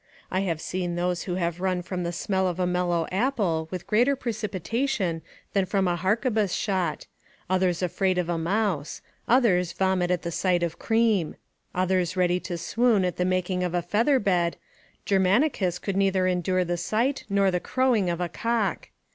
I have seen those who have run from the smell of a mellow apple with greater precipitation than from a harquebuss shot; others afraid of a mouse; others vomit at the sight of cream; others ready to swoon at the making of a feather bed; Germanicus could neither endure the sight nor the crowing of a cock.